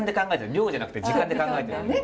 量じゃなくて時間で考えてる。